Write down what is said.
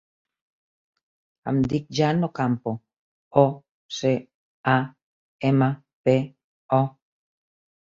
Em dic Jan Ocampo: o, ce, a, ema, pe, o.